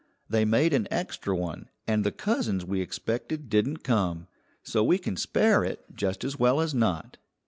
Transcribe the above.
"They made an extra one, and the cousins we expected didn't come, so we can spare it just as well as not."